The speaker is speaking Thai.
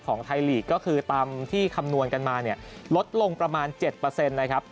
ของไทยลีกก็คือตามที่คำนวณกันมาเนี่ยลดลงประมาณ๗นะครับ